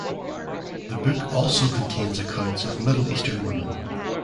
The book also contains accounts of middle eastern women.